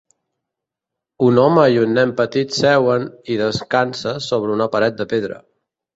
Un home i un nen petit seuen i descanses contra una paret de pedra.